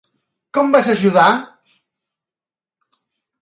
Com vas ajudar?